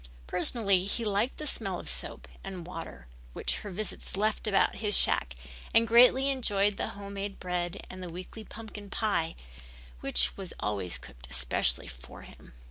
Personally he liked the smell of soap and water which her visits left about his shack and greatly enjoyed the homemade bread and the weekly pumpkin pie which was always cooked especially for him.